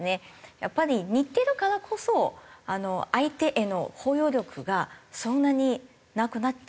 やっぱり似てるからこそ相手への包容力がそんなになくなっちゃうかなと思って。